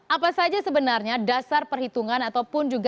apa saja sebenarnya dasar perhitungan ataupun juga